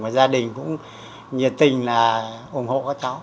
và gia đình cũng nhiệt tình là ủng hộ các cháu